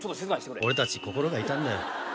「俺たち心が痛んだよ」